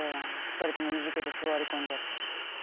２人ともいじけて座り込んじゃって。